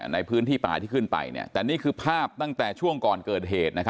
ในพื้นที่ป่าที่ขึ้นไปแต่นี่คือภาพตั้งแต่ช่วงก่อนเกิดเหตุ